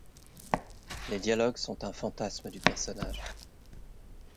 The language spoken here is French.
Les dialogues sont un fantasme du personnage.